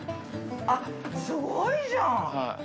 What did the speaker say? あっすごいじゃん！